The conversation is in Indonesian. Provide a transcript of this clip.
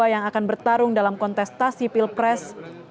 yang akan bertarung dalam kontestasi pilpres dua ribu sembilan belas